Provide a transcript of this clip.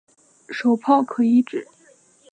手炮可以指